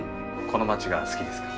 この街が好きですか？